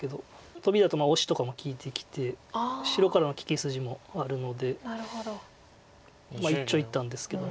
トビだとオシとかも利いてきて白からの利き筋もあるので一長一短ですけど。